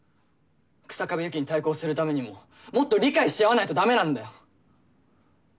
日下部由紀に対抗するためにももっと理解し合わないとダメなんだよ。